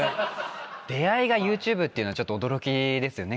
出会いがＹｏｕＴｕｂｅっていうのちょっと驚きですよね